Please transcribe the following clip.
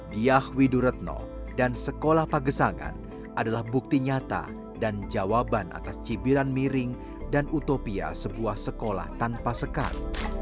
diah widuretno dan sekolah pagesangan adalah bukti nyata dan jawaban atas cibiran miring dan utopia sebuah sekolah tanpa sekat